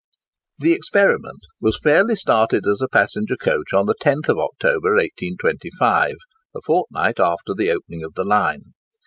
"The Experiment" was fairly started as a passenger coach on the 10th October, 1825, a fortnight after the opening of the line.